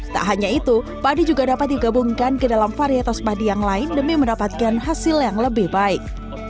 tak hanya itu padi juga dapat digabungkan ke dalam varietas padi yang lain demi mendapatkan hasil yang lebih baik